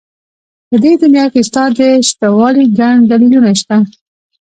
په دې دنيا کې ستا د شتهوالي گڼ دلیلونه شته.